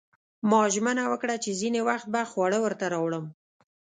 ما ژمنه وکړه چې ځینې وخت به خواړه ورته راوړم